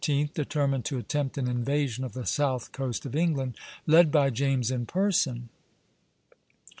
determined to attempt an invasion of the south coast of England, led by James in person.